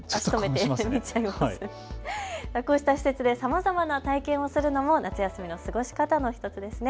こうした施設でさまざまな体験をするのも夏休みの過ごし方の１つですね。